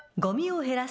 減らす。